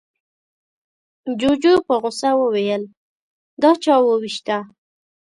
جوجو په غوسه وويل، دا چا ووېشته؟